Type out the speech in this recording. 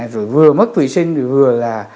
rồi vừa mất vệ sinh rồi vừa là